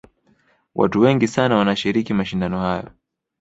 watu wengi sana wanashiriki mashindano hayo